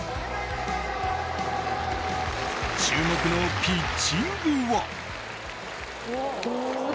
注目のピッチングは。